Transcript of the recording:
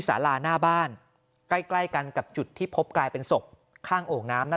สาราหน้าบ้านใกล้ใกล้กันกับจุดที่พบกลายเป็นศพข้างโอ่งน้ำนั่น